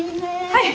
はい。